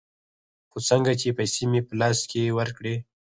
خو څنگه چې پيسې مې په لاس کښې ورکړې.